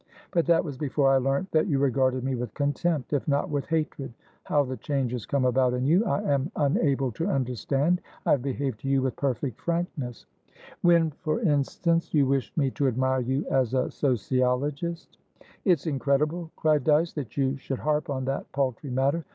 But that was before I learnt that you regarded me with contempt, if not with hatred. How the change has come about in you, I am unable to understand. I have behaved to you with perfect frankness" "When, for instance, you wished me to admire you as a sociologist?" "It's incredible," cried Dyce, "that you should harp on that paltry matter!